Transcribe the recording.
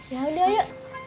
ya udah yuk